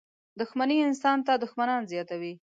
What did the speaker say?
• دښمني انسان ته دښمنان زیاتوي.